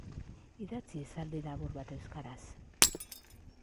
Idatzi esaldi labur bat euskaraz